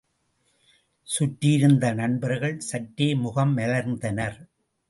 சுற்றியிருந்த நண்பர்கள் சற்றே முகம் மலர்ந்தனர்.